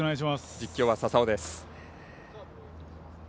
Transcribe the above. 実況は佐々生です。